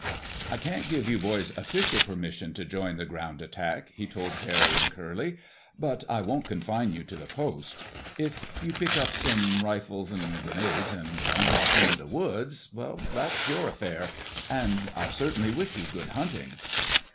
"I can't give you boys official permission to join the ground attack," he told Barry and Curly, "but I won't confine you to the post. If you pick up some rifles and grenades and wander off into the woods, that's your affair. And I certainly wish you good hunting!"